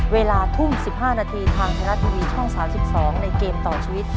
เวลาทุ่ม๑๕นาทีทางไทยรัฐทีวีช่อง๓๒ในเกมต่อชีวิต